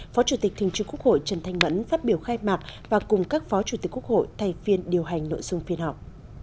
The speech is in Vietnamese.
phó chủ tịch thường trưởng quốc hội trần thanh mẫn phát biểu khai mạc và cùng các phó chủ tịch quốc hội thay phiên điều hành nội dung phiên họp